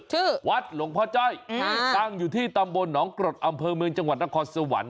วัดหลวงพ่อจ้อยตั้งอยู่ที่ตำบลหนองกรดอำเภอเมืองจังหวัดนครสวรรค์